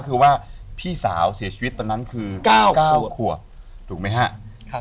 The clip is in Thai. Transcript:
คือว่าพี่สาวเสียชีวิตตอนนั้นคือ๙๙ขวบถูกไหมครับ